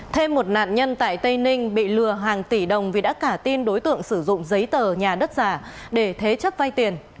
thêm một nạn nhân tại tây ninh bị lừa hàng tỷ đồng vì đã cả tin đối tượng sử dụng giấy tờ nhà đất giả để thế chấp vay tiền